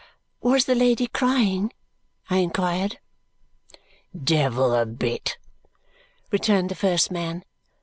"Was the lady crying?" I inquired. "Devil a bit," returned the first man.